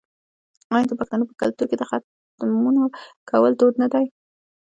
آیا د پښتنو په کلتور کې د ختمونو کول دود نه دی؟